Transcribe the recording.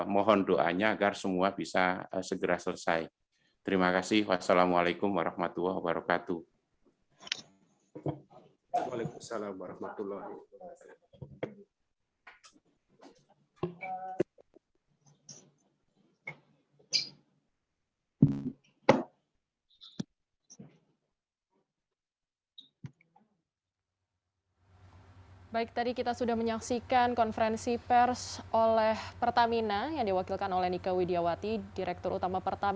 mohon doanya agar semua bisa